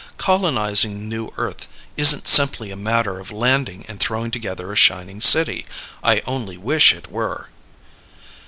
Colonizing New Earth isn't simply a matter of landing and throwing together a shining city. I only wish it were.